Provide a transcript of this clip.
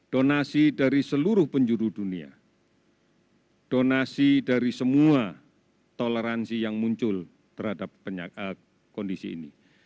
donasi dari seluruh penjuru dunia donasi dari semua toleransi yang muncul terhadap kondisi ini